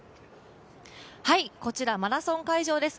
こちらマラソン会場です。